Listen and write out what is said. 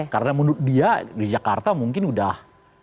karena menurut dia di jakarta mungkin udah